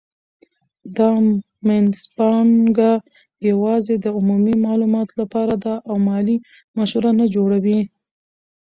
دا مینځپانګه یوازې د عمومي معلوماتو لپاره ده او مالي مشوره نه جوړوي.